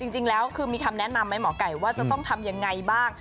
จริงแล้วคือมีคำแนะนำไหมหมอไก่ว่าจะต้องทำยังไงบ้าง